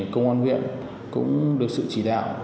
công an huyện cũng được sự chỉ đạo